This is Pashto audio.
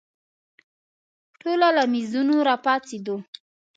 ټوله له مېزونو راپاڅېدو.